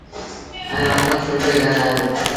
ائيٚݩ وآپس پنڊري گھر آيو۔